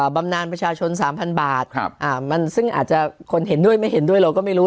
บำนานประชาชน๓๐๐บาทซึ่งอาจจะคนเห็นด้วยไม่เห็นด้วยเราก็ไม่รู้